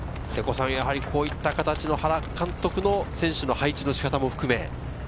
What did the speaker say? こういった形の原監督の選手の配置の仕方も含めて。